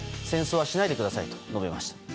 戦争はしないでくださいと述べました。